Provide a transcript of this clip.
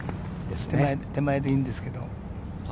手前でいいんですけれど。